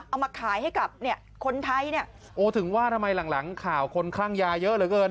เอามาขายให้กับเนี่ยคนไทยเนี่ยโอ้ถึงว่าทำไมหลังหลังข่าวคนคลั่งยาเยอะเหลือเกิน